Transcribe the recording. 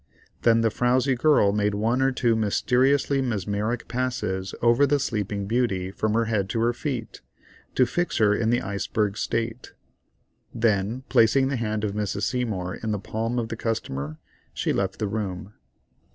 Then the frowzy girl made one or two mysterious mesmeric passes over the sleeping beauty from her head to her feet, to fix her in the iceberg state; then placing the hand of Mrs. S. in the palm of the customer, she left the room.